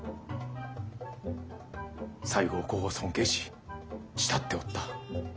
西郷公を尊敬し慕っておった。